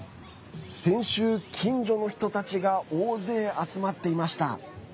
先週、近所の人たちが大勢集まっていました。